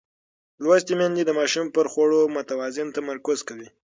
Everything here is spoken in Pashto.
لوستې میندې د ماشوم پر خوړو متوازن تمرکز کوي.